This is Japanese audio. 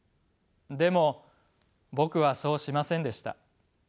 でも僕はそうしませんでした。